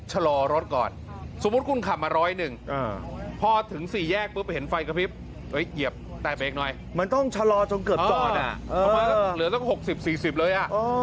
เหลือต้อง๖๐เวอร์๔๐เวอร์เลย